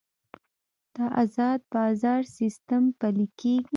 د ازاد بازار سیستم پلی کیږي